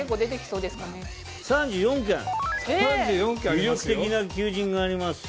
魅力的な求人があります。